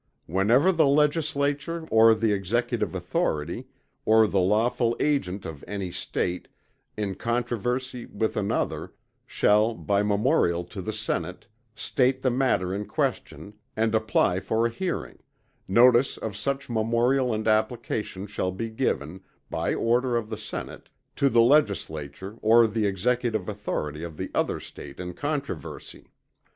Whenever the Legislature, or the Executive authority, or the lawful agent of any State, in controversy with another, shall, by memorial to the Senate, state the matter in question, and apply for a hearing; notice of such memorial and application shall be given, by order of the Senate, to the Legislature or the Executive Authority of the other State in controversy.